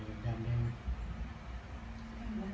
อันนี้ก็ไม่มีเจ้าพ่อหรอก